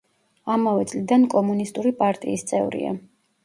ამავე წლიდან კომუნისტური პარტიის წევრია.